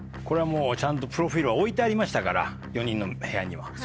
これはちゃんとプロフィルは置いてありましたから４人の部屋には。